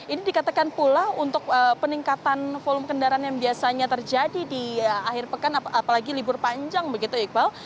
ini dikatakan pula untuk peningkatan volume kendaraan yang biasanya terjadi di akhir pekan apalagi libur panjang begitu iqbal